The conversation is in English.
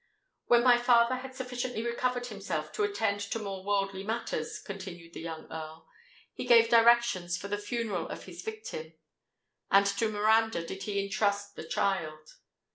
"When my father had sufficiently recovered himself to attend to more worldly matters," continued the young Earl, "he gave directions for the funeral of his victim; and to Miranda did he entrust the child.